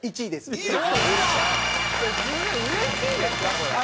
１位です。